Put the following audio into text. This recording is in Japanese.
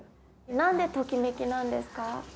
なんでときめきなんですか？